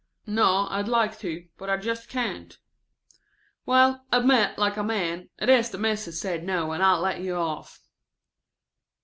"No, I'd like to, but I just can't." ("Well, admit, like a man, it's the Mis'es said no and I'll let you off.")